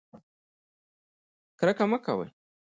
کرکه مه کوئ